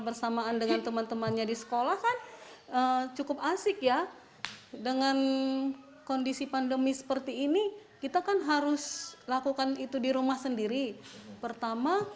pertama faridnya sendiri juga suka bermain akhirnya